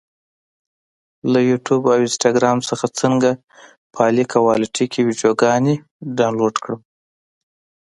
له یوټیوب او انسټاګرام څخه څنګه په اعلی کوالټي کې ویډیوګانې ډاونلوډ کړم؟